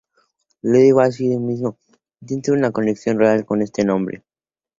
Le dio algo de sí mismo: "Siento una conexión real con este hombre.